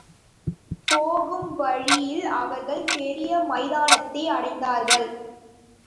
போகும் வழியில் அவர்கள் பெரிய மைதானத்தை அடைந்தார்கள்.